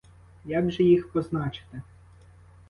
Як же їх позначити?